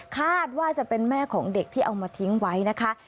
คาดว่าจะเป็นแม่ของเด็กที่เอามาทิ้งไว้นะคะ